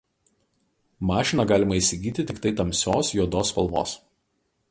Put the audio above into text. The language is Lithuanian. Mašiną galima įsigyti tiktai tamsios juodos spalvos.